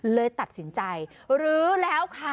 เลยตัดสินใจรื้อแล้วค่ะ